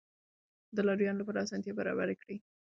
د لارويانو لپاره اسانتیاوې برابرې کړئ.